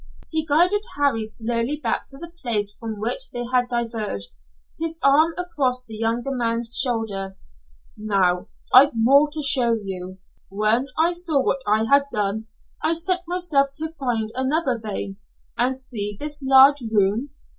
He guided Harry slowly back to the place from which they had diverged, his arm across the younger man's shoulder. "Now I've more to show you. When I saw what I had done, I set myself to find another vein, and see this large room?